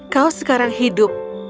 kau sekarang hidup